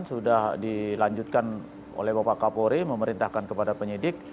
sudah dilanjutkan oleh bapak kapolri memerintahkan kepada penyidik